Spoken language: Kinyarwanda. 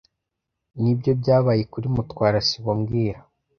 Nibyo byabaye kuri Mutwara sibo mbwira